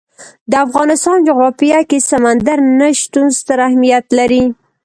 د افغانستان جغرافیه کې سمندر نه شتون ستر اهمیت لري.